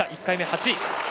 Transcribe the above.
１回目、８位。